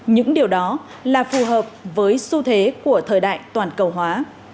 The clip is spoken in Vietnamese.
những điều đó là phù hợp với xu thế của thời đại toàn cầu hóa